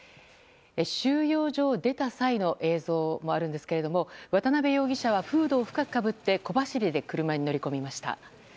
収容所を出た際の映像があるんですが渡辺容疑者はフードを深くかぶって小走りで車に乗り込みました。